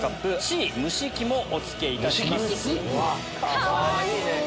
かわいい！